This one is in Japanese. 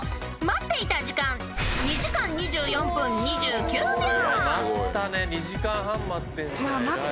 ［待っていた時間２時間２４分２９秒］